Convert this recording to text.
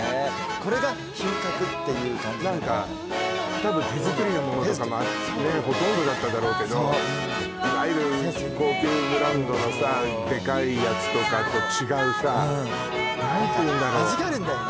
これが品格っていう感じ何か多分手作りなものとかほとんどだっただろうけどいわゆる高級ブランドのさデカいやつとかと違うさ味があるんだよね